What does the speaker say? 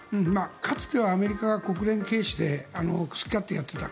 かつてはアメリカが国連軽視で好き勝手やっていた。